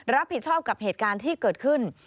รับผิดชอบกับเหตุการณ์ที่เกิดขึ้น